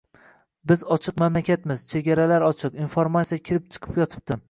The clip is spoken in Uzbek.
Biz ochiq mamlakatmiz, chegaralar ochiq, informatsiya kirib-chiqib yotibdi.